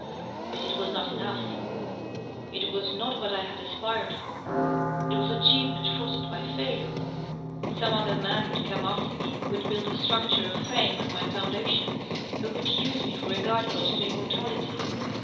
But it was not enough ; it was not what 1 had aspired for ; it was achievement frosted by failure. Some other man would come afl; er me who would build a structure of fame on my foundations, who would use me for a guide post to immortality.